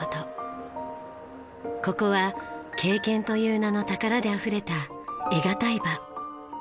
ここは経験という名の宝であふれた得難い場。